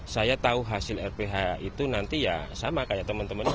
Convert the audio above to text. saya tahu hasil rph itu nanti ya sama kayak teman teman itu